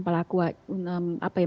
kemungkinan untuk tadi memudahkan